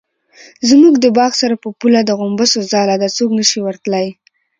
زموږ د باغ سره په پوله د غومبسو ځاله ده څوک نشي ورتلی.